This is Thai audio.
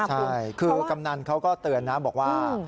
ใช่คือกำนันเขาก็เตือนนะบอกว่า